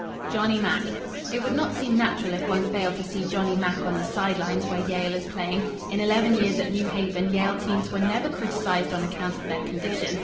Johnny Mack It would not seem natural if one failed to see Johnny Mack on the side lines where Yale is playing. In eleven years at New Haven Yale teams were never criticised on account of their condition.